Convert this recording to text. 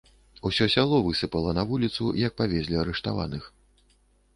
Усё сяло высыпала на вуліцу, як павезлі арыштаваных.